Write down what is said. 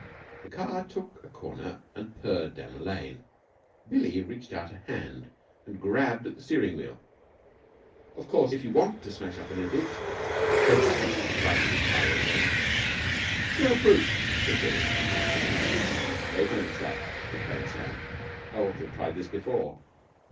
The car took a corner and purred down a lane. Billie reached out a hand and grabbed at the steering wheel. "Of course, if you want to smash up in a ditch!" said Sam, righting the car with a wrench. "You're a brute!" said Billie. "Cave man stuff," explained Sam, "I ought to have tried it before."